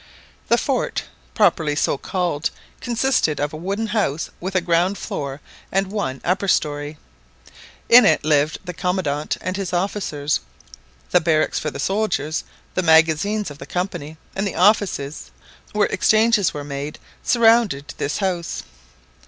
The fort, properly so called, consisted of a wooden house with a ground floor and one upper storey. In it lived the commandant and his officers. The barracks for the soldiers, the magazines of the Company, and the offices where exchanges were made, surrounded this house.